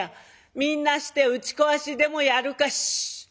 「みんなして打ち壊しでもやるか」。「しっ！